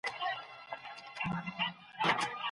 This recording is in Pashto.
کله چي مغيره بن شعبة رضي الله عنه يوې ميرمني ته مرکه وکړه.